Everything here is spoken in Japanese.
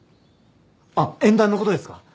あっ縁談の事ですか？